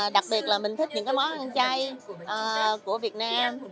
đặc biệt là mình thích những cái món ăn chay của việt nam